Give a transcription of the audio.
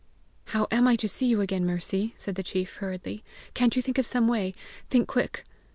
"How AM I to see you again, Mercy?" said the chief hurriedly. "Can't you think of some way? Think quick."